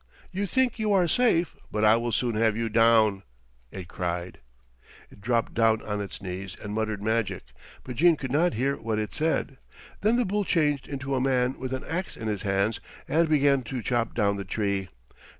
"You think you are safe, but I will soon have you down," it cried. It dropped down on its knees and muttered magic, but Jean could not hear what it said. Then the bull changed into a man with an ax in his hands and began to chop down the tree.